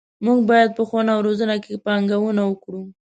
موږ باید په ښوونه او روزنه کې پانګونه وکړو.